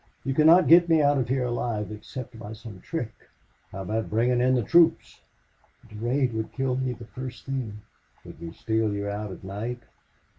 You cannot get me out of here alive except by some trick." "How about bringing the troops?" "Durade would kill me the first thing." "Could we steal you out at night?"